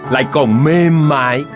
lại còn mềm mại